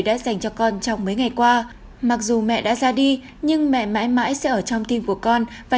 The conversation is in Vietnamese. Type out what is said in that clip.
đã dành cho con trong mấy ngày qua mặc dù mẹ đã ra đi nhưng mẹ mãi mãi sẽ ở trong tim của con và